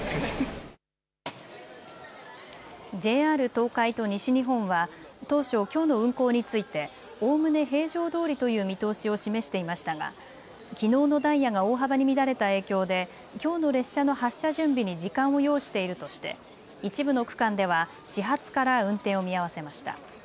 ＪＲ東海と西日本は当初、きょうの運行についておおむね平常どおりという見通しを示していましたがきのうのダイヤが大幅に乱れた影響できょうの列車の発車準備に時間を要しているとして一部の区間では始発から運転を見合わせました。